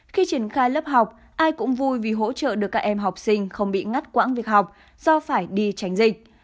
khi triển khai lớp học ai cũng vui vì hỗ trợ được các em học sinh không bị ngắt quãng việc học do phải đi tránh dịch